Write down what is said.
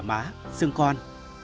má xương con